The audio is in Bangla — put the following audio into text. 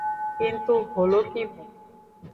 কিন্তু হলো কিভাবে?